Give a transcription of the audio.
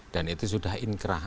dan itu sudah inkrah